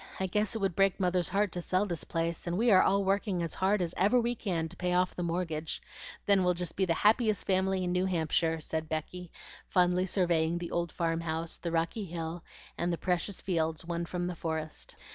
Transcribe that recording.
I guess it would break Mother's heart to sell this place, and we are all working as hard as ever we can to pay off the mortgage. Then we'll be just the happiest family in New Hampshire," said Becky, fondly surveying the old farm house, the rocky hill, and the precious fields won from the forest.